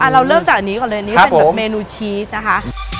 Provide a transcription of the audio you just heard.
เราเริ่มจากอันนี้ก่อนเลยอันนี้เป็นแบบเมนูชีสนะคะ